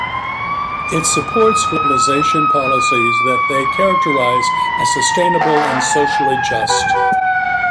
It supports globalisation policies that they characterise as sustainable and socially just.